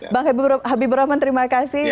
bang habibur rahman terima kasih